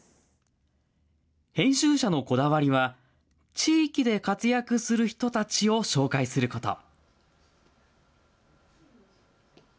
編集者のこだわりは地域で活躍する人たちを紹介すること。